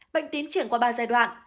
bệnh tiến triển qua ba giai đoạn